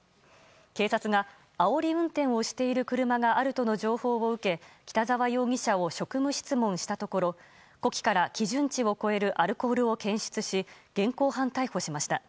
警察があおり運転をしている車があるとの情報を受け北澤容疑者を職務質問したところ呼気から基準値を超えるアルコールを検出し現行犯逮捕しました。